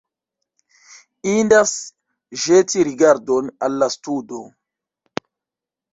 Indas ĵeti rigardon al la studo.